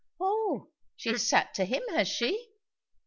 "Oh! she has sat to him, has she?"